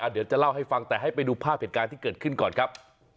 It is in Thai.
เดี๋ยวจะเล่าให้ฟังแต่ให้ไปดูภาพเหตุการณ์ที่เกิดขึ้นก่อนครับ